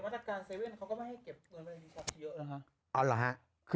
เดี๋ยวมาจากการเซเว่นเขาก็ไม่ให้เก็บเงินไปในกับเชียวหรอคะ